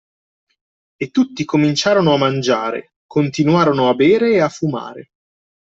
E tutti cominciarono a mangiare, continuarono a bere e a fumare.